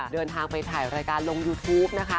เดินทางไปถ่ายรายการลงยูทูปนะคะ